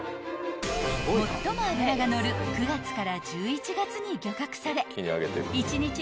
［最も脂が乗る９月から１１月に漁獲され］